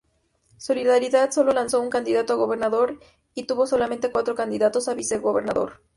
Solidaridad sólo lanzó un candidato a gobernador y tuvo solamente cuatro candidatos a vicegobernador.